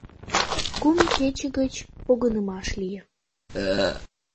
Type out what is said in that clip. Кум кече гыч погынымаш лие.